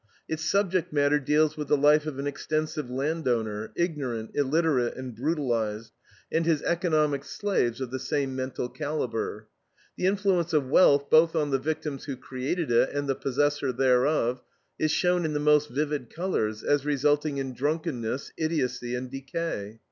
Its subject matter deals with the life of an extensive landowner, ignorant, illiterate, and brutalized, and his economic slaves of the same mental calibre. The influence of wealth, both on the victims who created it and the possessor thereof, is shown in the most vivid colors, as resulting in drunkenness, idiocy, and decay.